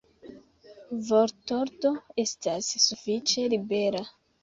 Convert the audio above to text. Vortordo estas sufiĉe libera.